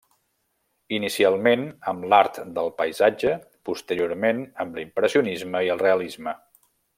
Inicialment amb l'art del paisatge, posteriorment amb l'impressionisme i el realisme.